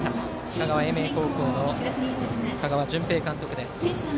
香川・英明高校の香川純平監督。